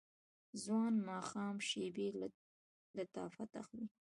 ځوان ماښام شیبې د لطافت اخلي